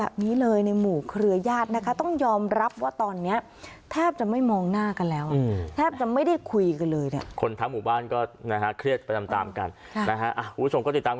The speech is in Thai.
ผู้ชมก็ติดตามกันต่อไปนะครับ